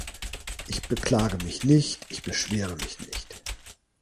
Ich beklage mich nicht, ich beschwere mich nicht.